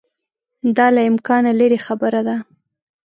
دا له امکانه لیري خبره ده.